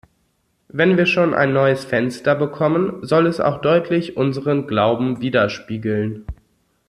Wenn wir schon ein neues Fenster bekommen, soll es auch deutlich unseren Glauben widerspiegeln.